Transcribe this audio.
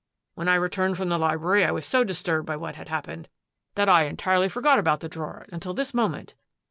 When I returned from the library I was so disturbed by what had happened that I entirely forgot about the drawer until this moment."